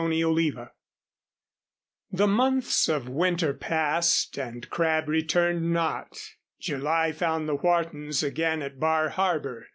CHAPTER IX The months of winter passed and Crabb returned not. July found the Whartons again at Bar Harbor.